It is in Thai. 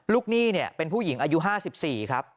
หนี้เป็นผู้หญิงอายุ๕๔ครับ